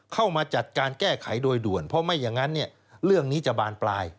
เข้ามาจัดการแก้ไขโดยด่วนเพราะไม่อย่างนั้นเนี่ยเรื่องนี้จะบานปลาย